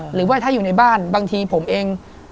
หรือว่าถ้าอยู่ในบ้านบางทีผมเอง